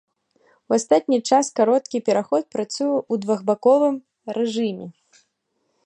У астатні час кароткі пераход працуе ў двухбаковым рэжыме.